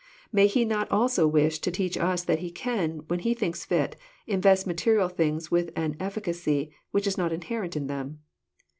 May He not also wish to teach us that He can, when He thinks fit, invest material things with an efficacy which is not inherent in them?